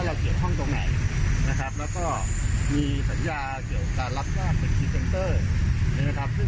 เราเกี่ยวห้องตรงไหนนะครับแล้วก็มีสัญญาเกี่ยวกับการับรับเป็น